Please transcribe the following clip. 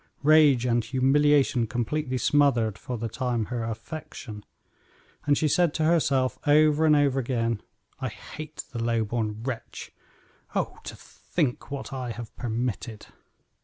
Rage and humiliation completely smothered, for the time, her affection, and she said to herself, over and over again: "I hate the low born wretch. Oh! to think what I have permitted!"